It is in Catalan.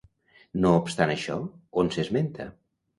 No obstant això, on s'esmenta?